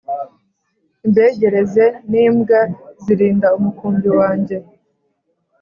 imbegereze n imbwa zirinda umukumbi wanjye